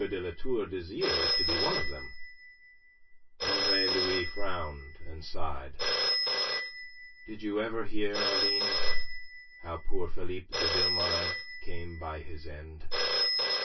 de La Tour d'Azyr is to be one of them." Andre Louis frowned and sighed. "Did you ever hear, Aline, how poor Philippe de Vilmorin came by his end?"